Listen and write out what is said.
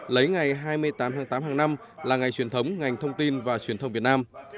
lấy ngày hai mươi tám tháng tám hàng năm là ngày truyền thống ngành thông tin và truyền thông việt nam